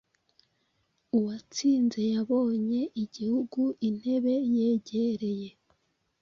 Uwatsinze yabonyeigihe intebe yegereye